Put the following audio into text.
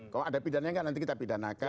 kalau ada pidannya nanti kita pidanakan